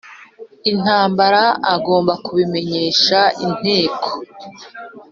Intambara agomba kubimenyesha Inteko